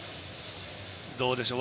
どうでしょう。